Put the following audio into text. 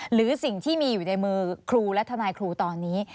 หรือสิ่งที่มีอยู่ในมือครูและทนายครูตอนนี้